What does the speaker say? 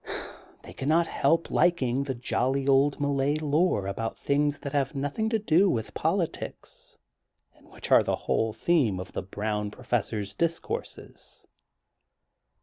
They cannot help liking the jolly old Malay lore about things which have nothing to do with politics and which are the whole theme of the brown professor 's discourses.